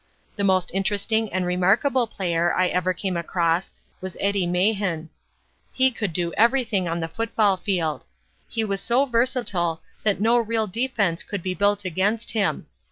The most interesting and remarkable player I ever came across was Eddie Mahan. He could do anything on the football field. He was so versatile, that no real defense could be built against him.